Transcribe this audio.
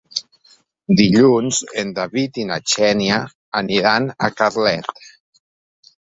Dilluns en David i na Xènia aniran a Carlet.